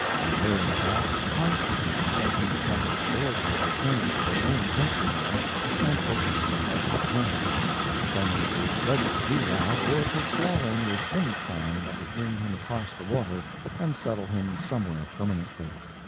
They were, in fact, constantly discussing the practicability of returning to their own country now and opening the Hartford home. Clemens was ready to do that or to fall in with any plan that would bring him across the water and settle him somewhere permanently.